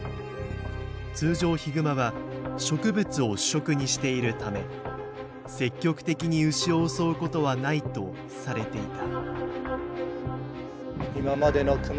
通常ヒグマは植物を主食にしているため積極的に牛を襲うことはないとされていた。